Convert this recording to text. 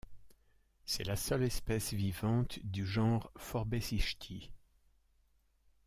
C'est la seule espèce vivante du genre Forbesichthys.